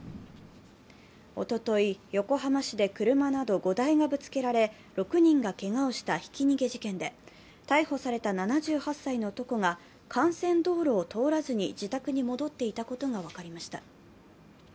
おととい、横浜市で車など５台がぶつけられ６人がけがをしたひき逃げ事件で逮捕された７８歳の男が幹線道路を通らずに自宅に戻っていたことが分かりました。